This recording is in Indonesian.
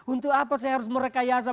untuk apa saya harus merekayasa